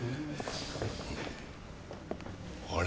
あれ？